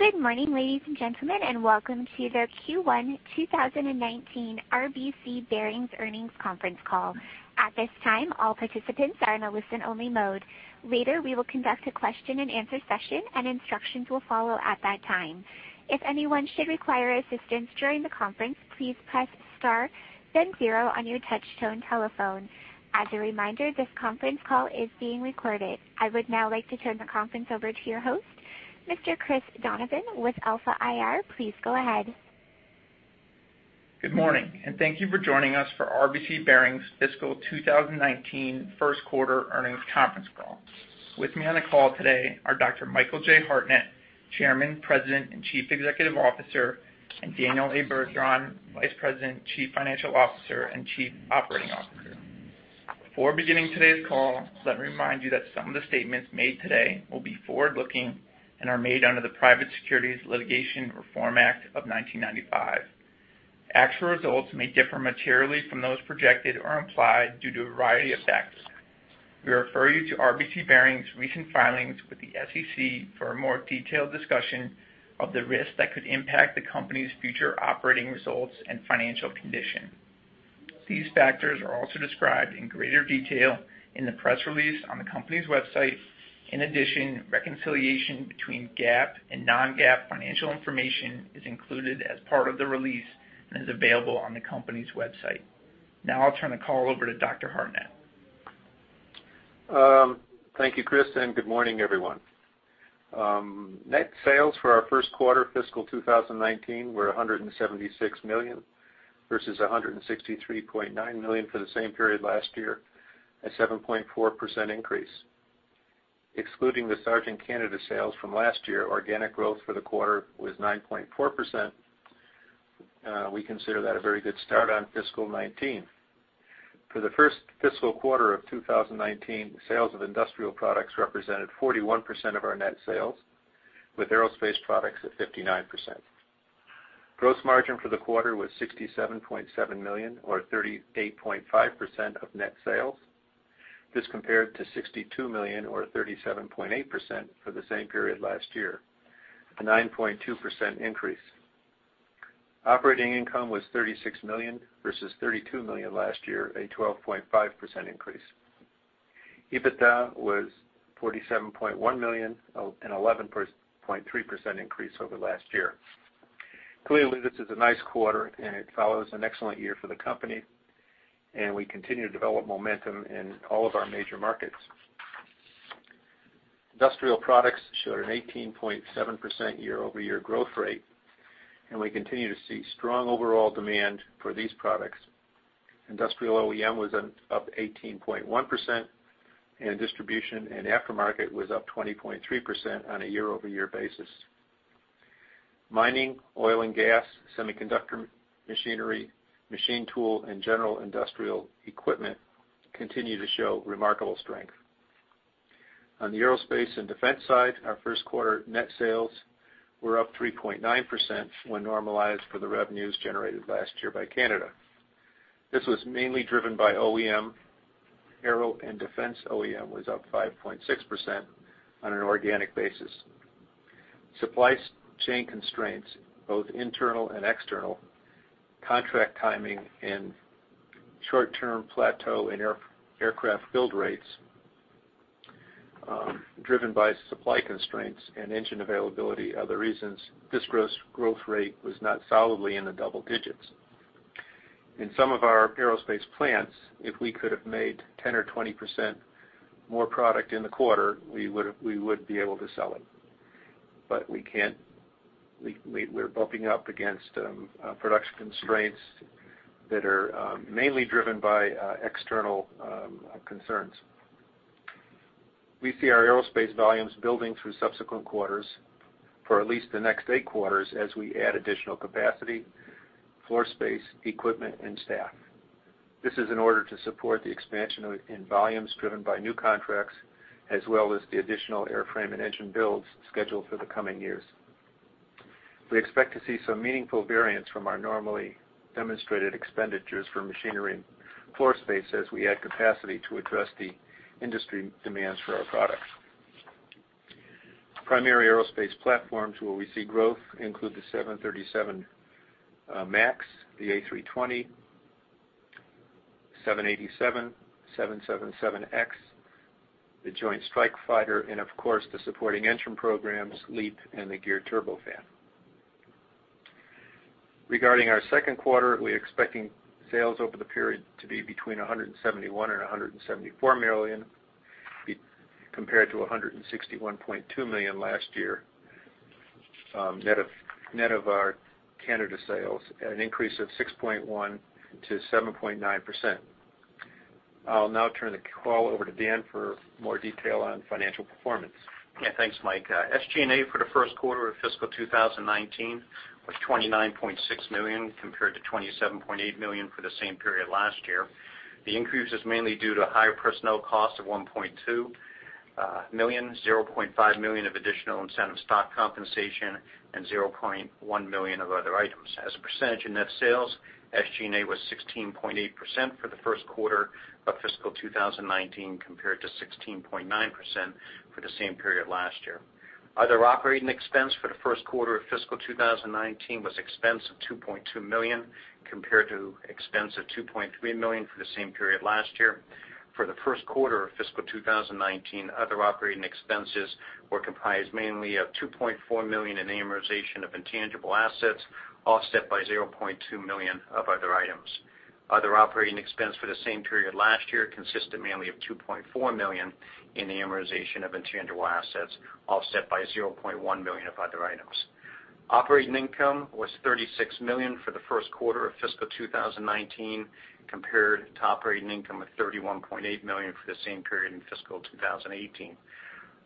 Good morning, ladies and gentlemen, and welcome to the Q1 2019 RBC Bearings Earnings Conference Call. At this time, all participants are in a listen-only mode. Later, we will conduct a question-and-answer session, and instructions will follow at that time. If anyone should require assistance during the conference, please press star then zero on your touch-tone telephone. As a reminder, this conference call is being recorded. I would now like to turn the conference over to your host, Mr. Chris Donovan, with Alpha IR. Please go ahead. Good morning, and thank you for joining us for RBC Bearings Fiscal 2019 First Quarter Earnings Conference Call. With me on the call today are Dr. Michael Hartnett, Chairman, President, and Chief Executive Officer, and Daniel Bergeron, Vice President, Chief Financial Officer, and Chief Operating Officer. Before beginning today's call, let me remind you that some of the statements made today will be forward-looking and are made under the Private Securities Litigation Reform Act of 1995. Actual results may differ materially from those projected or implied due to a variety of factors. We refer you to RBC Bearings' recent filings with the SEC for a more detailed discussion of the risks that could impact the company's future operating results and financial condition. These factors are also described in greater detail in the press release on the company's website. In addition, reconciliation between GAAP and Non-GAAP financial information is included as part of the release and is available on the company's website. Now, I'll turn the call over to Dr. Hartnett. Thank you, Chris, and good morning, everyone. Net sales for our first quarter fiscal 2019 were $176 million, versus $163.9 million for the same period last year, a 7.4% increase. Excluding the Sargent Canada sales from last year, organic growth for the quarter was 9.4%. We consider that a very good start on fiscal 2019. For the first fiscal quarter of 2019, sales of industrial products represented 41% of our net sales, with aerospace products at 59%. Gross margin for the quarter was $67.7 million, or 38.5% of net sales. This compared to $62 million, or 37.8% for the same period last year, a 9.2% increase. Operating income was $36 million versus $32 million last year, a 12.5% increase. EBITDA was $47.1 million, an 11.3% increase over last year. Clearly, this is a nice quarter, and it follows an excellent year for the company, and we continue to develop momentum in all of our major markets. Industrial products showed an 18.7% year-over-year growth rate, and we continue to see strong overall demand for these products. Industrial OEM was up 18.1%, and distribution and aftermarket was up 20.3% on a year-over-year basis. Mining, oil and gas, semiconductor machinery, machine tool, and general industrial equipment continue to show remarkable strength. On the aerospace and defense side, our first quarter net sales were up 3.9% when normalized for the revenues generated last year by Canada. This was mainly driven by OEM. Aerospace and defense OEM was up 5.6% on an organic basis. Supply chain constraints, both internal and external, contract timing, and short-term plateau in aircraft build rates, driven by supply constraints and engine availability, are the reasons this gross growth rate was not solidly in the double digits. In some of our aerospace plants, if we could have made 10 or 20% more product in the quarter, we would have, we would be able to sell it. But we can't, we're bumping up against production constraints that are mainly driven by external concerns. We see our aerospace volumes building through subsequent quarters for at least the next eight quarters as we add additional capacity, floor space, equipment, and staff. This is in order to support the expansion of, in volumes driven by new contracts, as well as the additional airframe and engine builds scheduled for the coming years. We expect to see some meaningful variance from our normally demonstrated expenditures for machinery and floor space as we add capacity to address the industry demands for our products. Primary aerospace platforms where we see growth include the 737 MAX, the A320, 787, 777X, the Joint Strike Fighter, and of course, the supporting engine programs, LEAP and the Geared Turbofan. Regarding our second quarter, we're expecting sales over the period to be between $171 million and $174 million, compared to $161.2 million last year, net of, net of our Canada sales, at an increase of 6.1%-7.9%. I'll now turn the call over to Dan for more detail on financial performance. Yeah, thanks, Mike. SG&A for the first quarter of fiscal 2019 was $29.6 million, compared to $27.8 million for the same period last year. The increase is mainly due to higher personnel costs of $1.2 million, $0.5 million of additional incentive stock compensation, and $0.1 million of other items. As a percentage in net sales, SG&A was 16.8% for the first quarter of fiscal 2019, compared to 16.9% for the same period last year. ... Other operating expense for the first quarter of fiscal 2019 was expense of $2.2 million, compared to expense of $2.3 million for the same period last year. For the first quarter of fiscal 2019, other operating expenses were comprised mainly of $2.4 million in amortization of intangible assets, offset by $0.2 million of other items. Other operating expense for the same period last year consisted mainly of $2.4 million in the amortization of intangible assets, offset by $0.1 million of other items. Operating income was $36 million for the first quarter of fiscal 2019 compared to operating income of $31.8 million for the same period in fiscal 2018.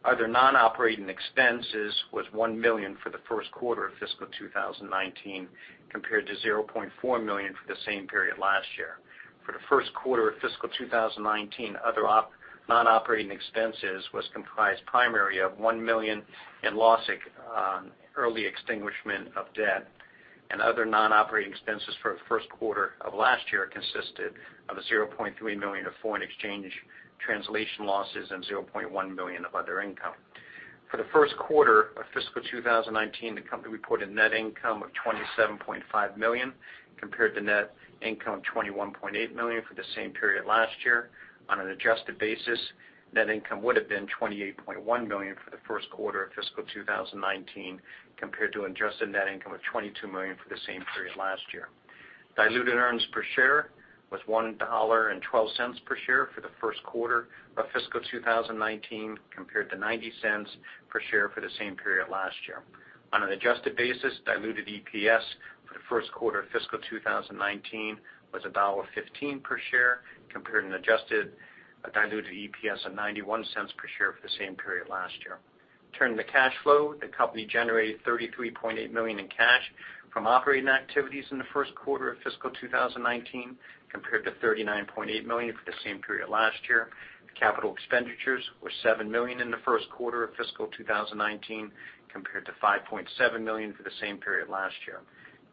Other non-operating expenses was $1 million for the first quarter of fiscal 2019 compared to $0.4 million for the same period last year. For the first quarter of fiscal 2019, other non-operating expenses was comprised primarily of $1 million in loss on early extinguishment of debt, and other non-operating expenses for the first quarter of last year consisted of a $0.3 million of foreign exchange translation losses and $0.1 million of other income. For the first quarter of fiscal 2019, the company reported net income of $27.5 million compared to net income of $21.8 million for the same period last year. On an adjusted basis, net income would have been $28.1 million for the first quarter of fiscal 2019 compared to adjusted net income of $22 million for the same period last year. Diluted earnings per share was $1.12 per share for the first quarter of fiscal 2019 compared to $0.90 per share for the same period last year. On an adjusted basis, diluted EPS for the first quarter of fiscal 2019 was $1.15 per share compared to an adjusted diluted EPS of $0.91 per share for the same period last year. Turning to cash flow, the company generated $33.8 million in cash from operating activities in the first quarter of fiscal 2019 compared to $39.8 million for the same period last year. Capital expenditures were $7 million in the first quarter of fiscal 2019 compared to $5.7 million for the same period last year.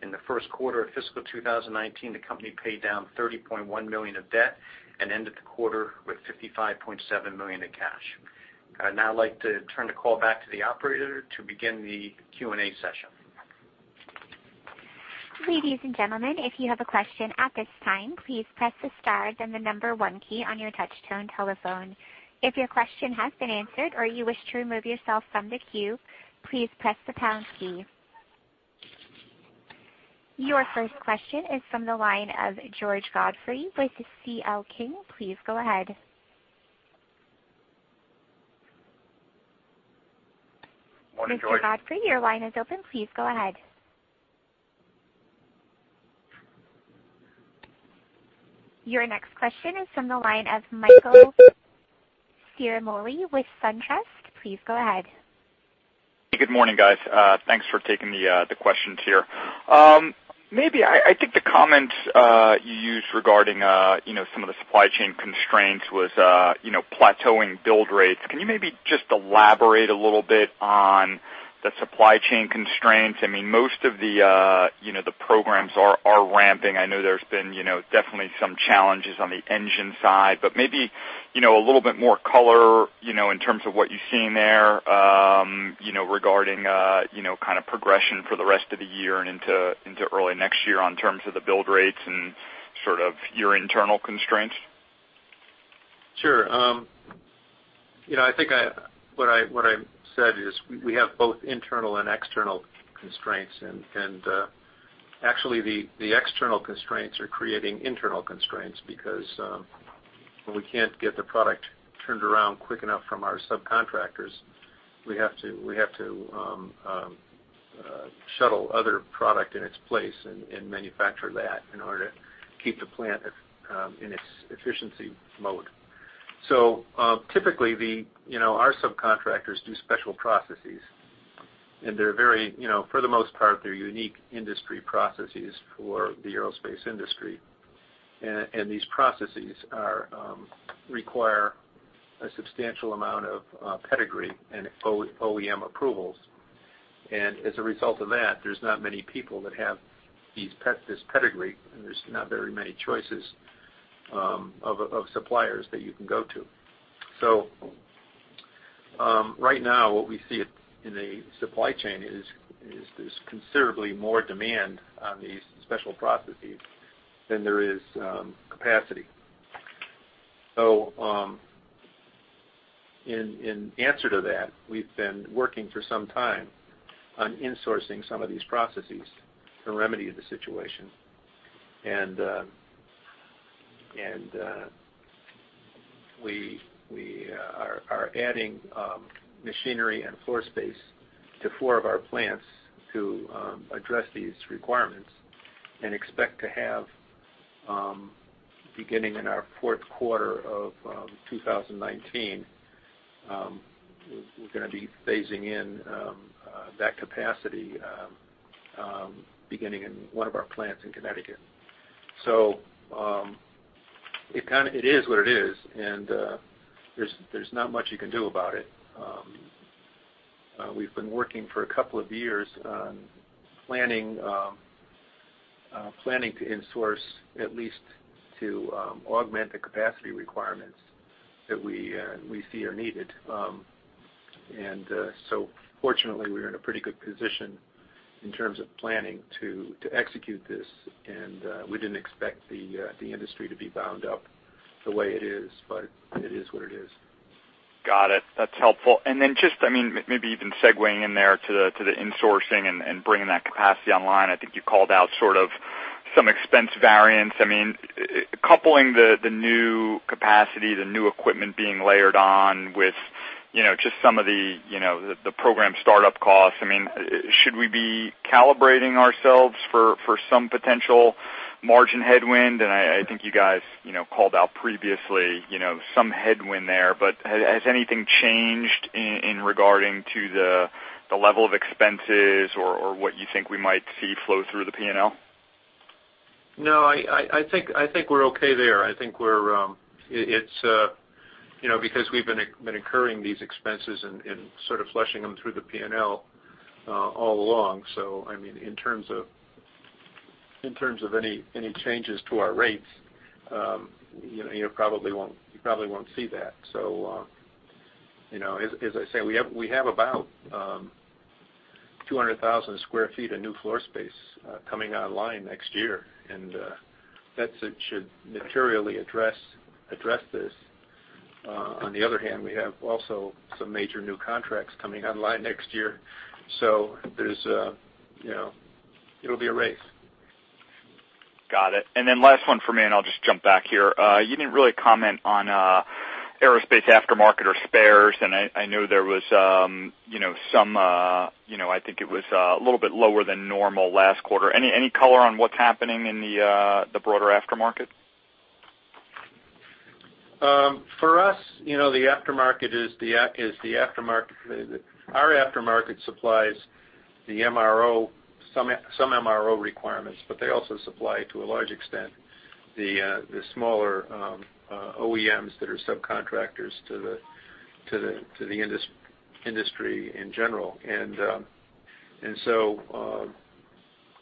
In the first quarter of fiscal 2019, the company paid down $30.1 million of debt and ended the quarter with $55.7 million in cash. I'd now like to turn the call back to the operator to begin the Q&A session. Ladies and gentlemen, if you have a question at this time, please press the star, then the number one key on your touchtone telephone. If your question has been answered or you wish to remove yourself from the queue, please press the pound key. Your first question is from the line of George Godfrey with CL King. Please go ahead. Morning, George. Mr. Godfrey, your line is open. Please go ahead. Your next question is from the line of Michael Ciarmoli with SunTrust. Please go ahead. Good morning, guys. Thanks for taking the questions here. Maybe I think the comment you used regarding you know, some of the supply chain constraints was you know, plateauing build rates. Can you maybe just elaborate a little bit on the supply chain constraints? I mean, most of the you know, the programs are ramping. I know there's been you know, definitely some challenges on the engine side, but maybe you know, a little bit more color you know, in terms of what you're seeing there you know, regarding you know, kind of progression for the rest of the year and into early next year on terms of the build rates and sort of your internal constraints. Sure. You know, I think what I said is we have both internal and external constraints, and actually, the external constraints are creating internal constraints because when we can't get the product turned around quick enough from our subcontractors, we have to shuttle other product in its place and manufacture that in order to keep the plant in its efficiency mode. So, typically, you know, our subcontractors do special processes, and they're very, you know, for the most part, unique industry processes for the aerospace industry. And these processes require a substantial amount of pedigree and OEM approvals. As a result of that, there's not many people that have this pedigree, and there's not very many choices of suppliers that you can go to. So, right now, what we see in the supply chain is there's considerably more demand on these special processes than there is capacity. So, in answer to that, we've been working for some time on insourcing some of these processes to remedy the situation. We are adding machinery and floor space to four of our plants to address these requirements and expect to have beginning in our fourth quarter of 2019, we're gonna be phasing in that capacity beginning in one of our plants in Connecticut. So, it kind of, it is what it is, and, there's not much you can do about it. We've been working for a couple of years on planning,... Planning to insource at least to augment the capacity requirements that we see are needed. And so fortunately, we're in a pretty good position in terms of planning to execute this. And we didn't expect the industry to be bound up the way it is, but it is what it is. Got it. That's helpful. And then just, I mean, maybe even segueing in there to the insourcing and bringing that capacity online, I think you called out sort of some expense variance. I mean, coupling the new capacity, the new equipment being layered on with, you know, just some of the, you know, the program startup costs, I mean, should we be calibrating ourselves for some potential margin headwind? And I think you guys, you know, called out previously, you know, some headwind there, but has anything changed in regard to the level of expenses or what you think we might see flow through the P&L? No, I think we're okay there. I think it's you know, because we've been incurring these expenses and sort of flushing them through the P&L all along. So, I mean, in terms of any changes to our rates, you know, you probably won't see that. So, you know, as I say, we have about 200,000 sq ft of new floor space coming online next year, and that should materially address this. On the other hand, we have also some major new contracts coming online next year. So there's you know, it'll be a race. Got it. And then last one for me, and I'll just jump back here. You didn't really comment on aerospace aftermarket or spares, and I know there was, you know, some, you know, I think it was a little bit lower than normal last quarter. Any color on what's happening in the broader aftermarket? For us, you know, the aftermarket is the aftermarket. Our aftermarket supplies the MRO some MRO requirements, but they also supply, to a large extent, the smaller OEMs that are subcontractors to the industry in general. And so,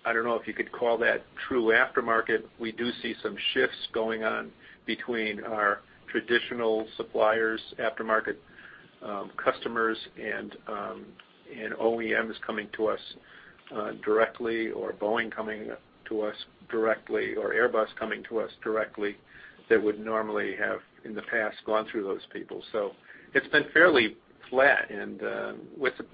I don't know if you could call that true aftermarket. We do see some shifts going on between our traditional suppliers, aftermarket customers, and OEMs coming to us directly, or Boeing coming to us directly, or Airbus coming to us directly, that would normally have, in the past, gone through those people. So it's been fairly flat. And,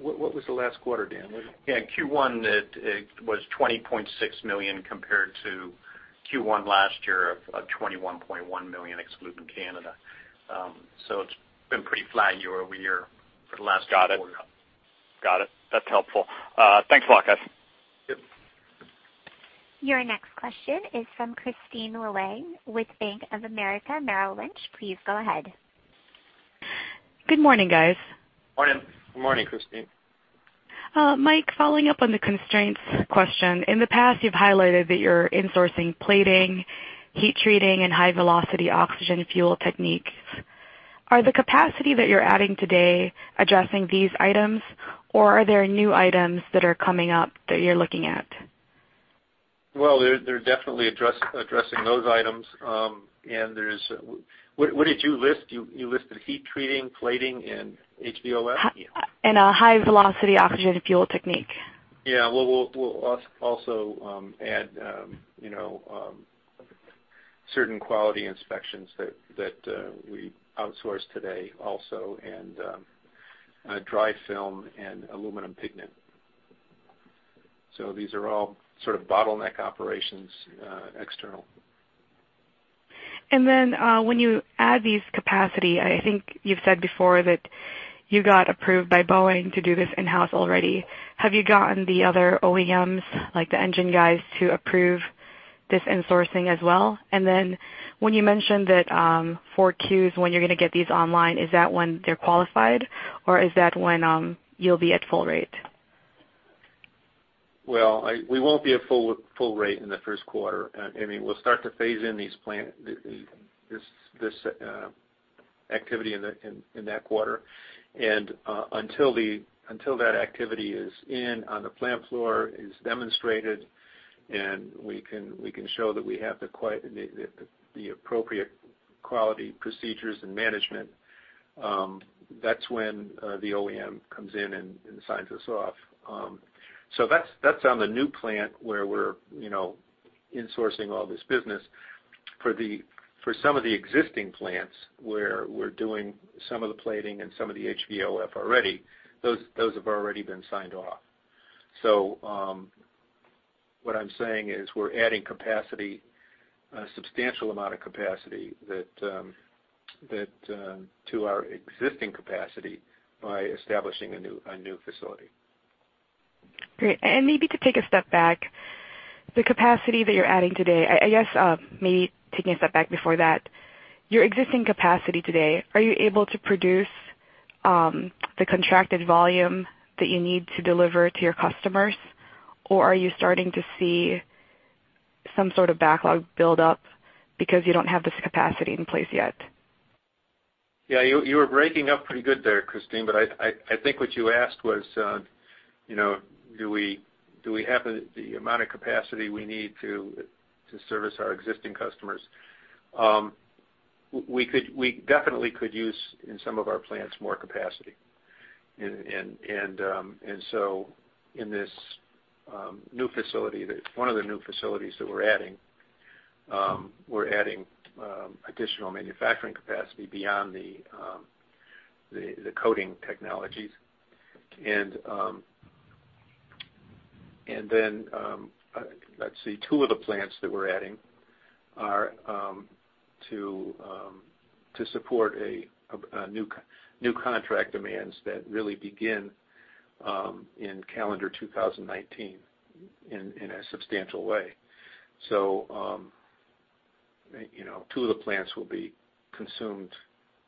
what was the last quarter, Dan? Yeah, Q1, it was $20.6 million, compared to Q1 last year of $21.1 million, excluding Canada. So it's been pretty flat year-over-year for the last quarter. Got it. Got it. That's helpful. Thanks a lot, guys. Yep. Your next question is from Kristine Liwag with Bank of America Merrill Lynch. Please go ahead. Good morning, guys. Morning. Good morning, Kristine. Mike, following up on the constraints question. In the past, you've highlighted that you're insourcing plating, heat treating, and High Velocity Oxygen Fuel techniques. Are the capacity that you're adding today addressing these items, or are there new items that are coming up that you're looking at? Well, they're definitely addressing those items. And there's... What did you list? You listed heat treating, plating, and HVOF? High Velocity Oxygen Fuel technique. Yeah. Well, we'll also add, you know, certain quality inspections that we outsource today also, and dry film and aluminum pigment. So these are all sort of bottleneck operations, external. And then, when you add these capacity, I think you've said before that you got approved by Boeing to do this in-house already. Have you gotten the other OEMs, like the engine guys, to approve this insourcing as well? And then when you mentioned that, 4Qs when you're gonna get these online, is that when they're qualified, or is that when, you'll be at full rate? Well, we won't be at full rate in the first quarter. I mean, we'll start to phase in this activity in that quarter. And until that activity is in on the plant floor, is demonstrated, and we can show that we have the appropriate quality procedures and management, that's when the OEM comes in and signs us off. So that's on the new plant where we're, you know, insourcing all this business. For some of the existing plants, where we're doing some of the plating and some of the HVOF already, those have already been signed off. So, what I'm saying is we're adding capacity, a substantial amount of capacity, that to our existing capacity by establishing a new facility. Great. And maybe to take a step back, the capacity that you're adding today, I guess, maybe taking a step back before that, your existing capacity today, are you able to produce the contracted volume that you need to deliver to your customers, or are you starting to see some sort of backlog build up because you don't have this capacity in place yet?... Yeah, you were breaking up pretty good there, Kristine, but I think what you asked was, you know, do we have the amount of capacity we need to service our existing customers? We could—we definitely could use, in some of our plants, more capacity. And so in this new facility that, one of the new facilities that we're adding, we're adding additional manufacturing capacity beyond the coating technologies. And then, let's see, two of the plants that we're adding are to support a new contract demands that really begin in calendar 2019 in a substantial way. So, you know, two of the plants will be consumed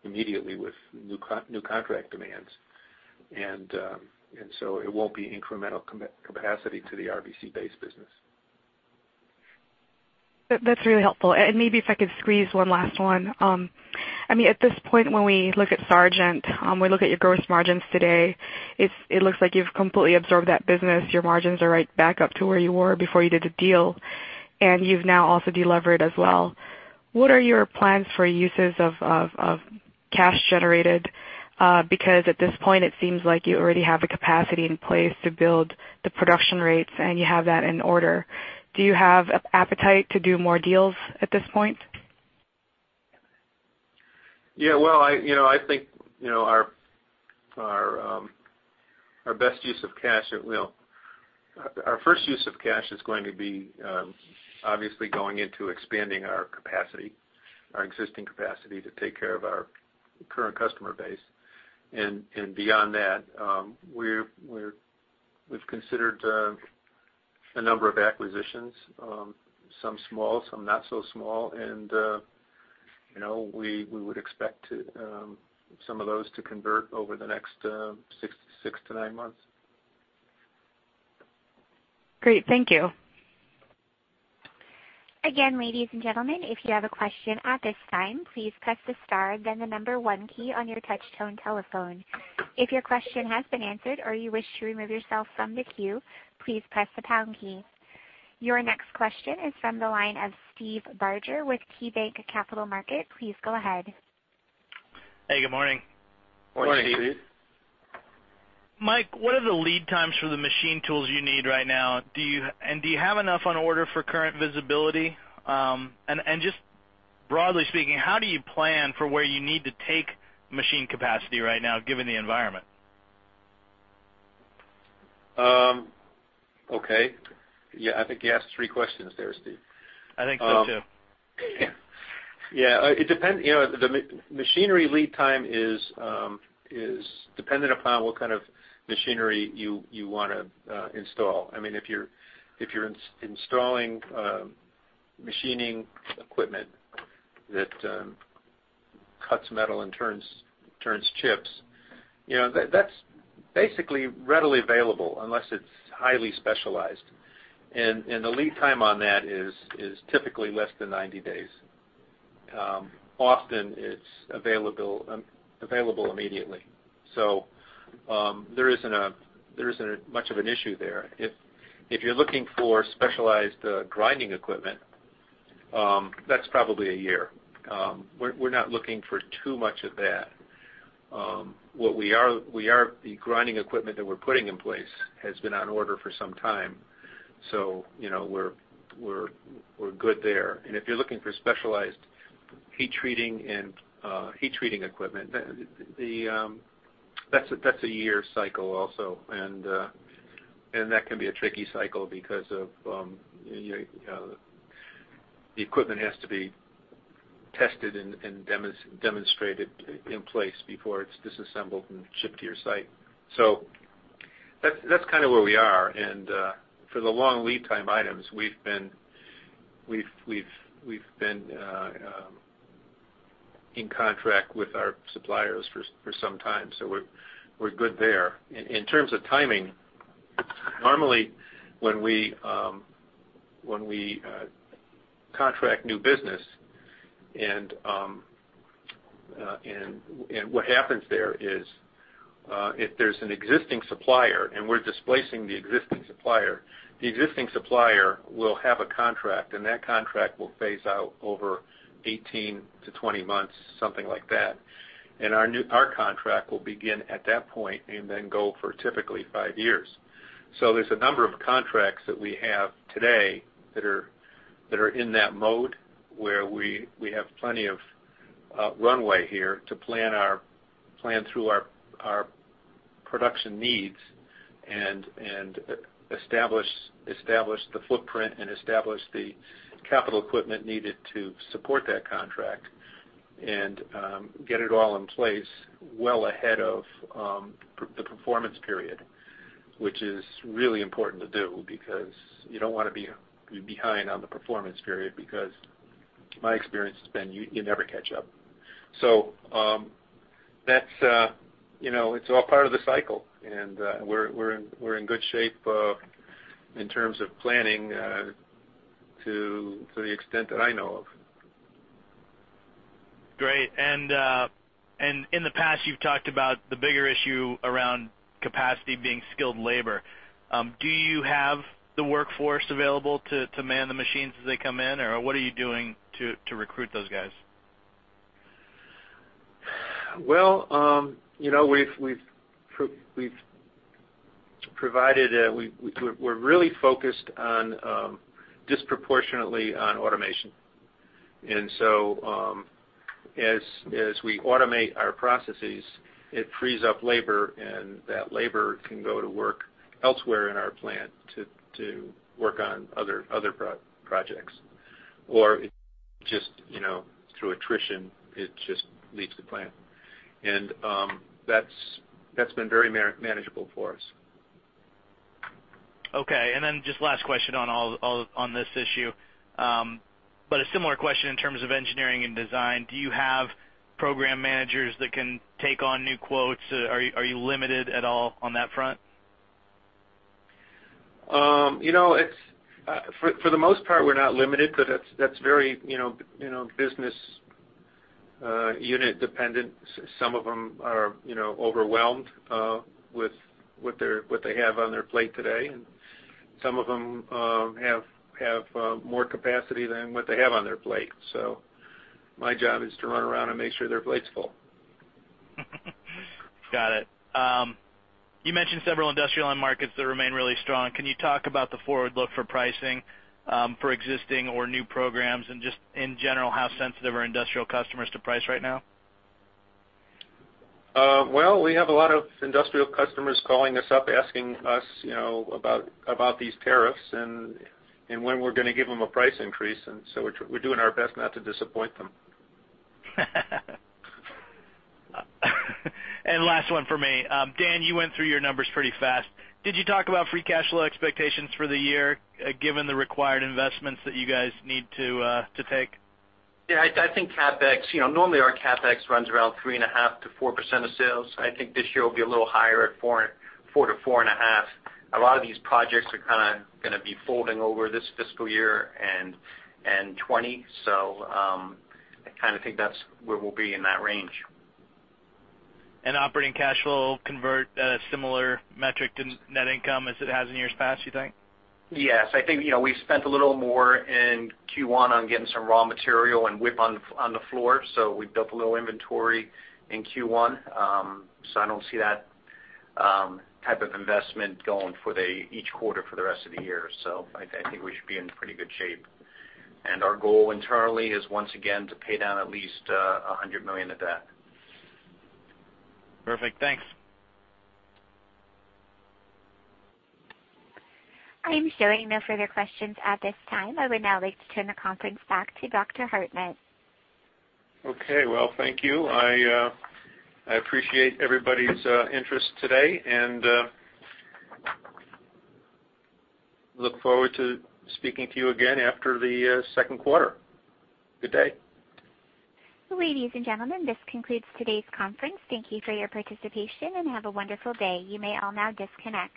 immediately with new contract demands, and so it won't be incremental capacity to the RBC-based business. That's really helpful. And maybe if I could squeeze one last one. I mean, at this point, when we look at Sargent, we look at your gross margins today, it looks like you've completely absorbed that business. Your margins are right back up to where you were before you did the deal, and you've now also delevered as well. What are your plans for uses of cash generated? Because at this point, it seems like you already have the capacity in place to build the production rates, and you have that in order. Do you have an appetite to do more deals at this point? Yeah, well, you know, I think, you know, our best use of cash, well, our first use of cash is going to be obviously going into expanding our capacity, our existing capacity, to take care of our current customer base. And beyond that, we've considered a number of acquisitions, some small, some not so small, and, you know, we would expect some of those to convert over the next six to nine months. Great. Thank you. Again, ladies and gentlemen, if you have a question at this time, please press the star, then the number one key on your touch-tone telephone. If your question has been answered or you wish to remove yourself from the queue, please press the pound key. Your next question is from the line of Steve Barger with KeyBanc Capital Markets. Please go ahead. Hey, good morning. Morning, Steve. Mike, what are the lead times for the machine tools you need right now? Do you have enough on order for current visibility? And just broadly speaking, how do you plan for where you need to take machine capacity right now, given the environment? Okay. Yeah, I think you asked three questions there, Steve. I think so, too. Yeah, it depends, you know, the machinery lead time is dependent upon what kind of machinery you wanna install. I mean, if you're installing machining equipment that cuts metal and turns chips, you know, that's basically readily available unless it's highly specialized. The lead time on that is typically less than 90 days. Often it's available immediately. So, there isn't much of an issue there. If you're looking for specialized grinding equipment, that's probably a year. We're not looking for too much of that. What we are, the grinding equipment that we're putting in place has been on order for some time, so, you know, we're good there. And if you're looking for specialized heat treating and heat treating equipment, that's a year cycle also. And that can be a tricky cycle because of, you know, the equipment has to be tested and demonstrated in place before it's disassembled and shipped to your site. So that's kind of where we are. And for the long lead time items, we've been in contract with our suppliers for some time, so we're good there. In terms of timing, normally, when we contract new business, and what happens there is, if there's an existing supplier, and we're displacing the existing supplier, the existing supplier will have a contract, and that contract will phase out over 18-20 months, something like that. And our new contract will begin at that point and then go for typically five years. So there's a number of contracts that we have today that are in that mode, where we have plenty of runway here to plan through our production needs and establish the footprint and establish the capital equipment needed to support that contract. Get it all in place well ahead of the performance period, which is really important to do because you don't wanna be behind on the performance period, because my experience has been you never catch up. So, that's, you know, it's all part of the cycle, and, we're in good shape in terms of planning, to the extent that I know of. Great. And, and in the past, you've talked about the bigger issue around capacity being skilled labor. Do you have the workforce available to, to man the machines as they come in? Or what are you doing to, to recruit those guys? Well, you know, we're really focused disproportionately on automation. And so, as we automate our processes, it frees up labor, and that labor can go to work elsewhere in our plant to work on other projects. Or it just, you know, through attrition, it just leaves the plant. And that's been very manageable for us. Okay. And then just last question on all on this issue, but a similar question in terms of engineering and design. Do you have program managers that can take on new quotes? Are you limited at all on that front? You know, it's for the most part, we're not limited, but that's very, you know, business unit dependent. Some of them are, you know, overwhelmed with what they have on their plate today, and some of them have more capacity than what they have on their plate. So my job is to run around and make sure their plate's full. Got it. You mentioned several industrial end markets that remain really strong. Can you talk about the forward look for pricing, for existing or new programs? Just in general, how sensitive are industrial customers to price right now? Well, we have a lot of industrial customers calling us up, asking us, you know, about these tariffs and when we're gonna give them a price increase, and so we're doing our best not to disappoint them. Last one for me. Dan, you went through your numbers pretty fast. Did you talk about free cash flow expectations for the year, given the required investments that you guys need to take? Yeah, I think CapEx, you know, normally our CapEx runs around 3.5%-4% of sales. I think this year will be a little higher at 4%-4.5%. A lot of these projects are kinda gonna be folding over this fiscal year and 2020. So, I kinda think that's where we'll be in that range. Operating cash flow convert, similar metric to net income as it has in years past, you think? Yes. I think, you know, we've spent a little more in Q1 on getting some raw material and get on the floor, so we've built a little inventory in Q1. So I don't see that type of investment going forward each quarter for the rest of the year. So I think we should be in pretty good shape. And our goal internally is once again to pay down at least $100 million of debt. Perfect. Thanks. I am showing no further questions at this time. I would now like to turn the conference back to Dr. Hartnett. Okay. Well, thank you. I, I appreciate everybody's interest today, and look forward to speaking to you again after the second quarter. Good day. Ladies and gentlemen, this concludes today's conference. Thank you for your participation, and have a wonderful day. You may all now disconnect.